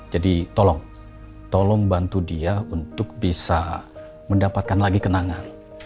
jadi tolong tolong bantu dia untuk bisa mendapatkan lagi kenangan